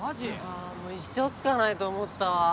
あもう一生着かないと思ったわ。